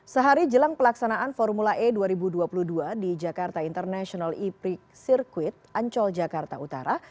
sehari jelang pelaksanaan formula e dua ribu dua puluh dua di jakarta international e prix circuit ancol jakarta utara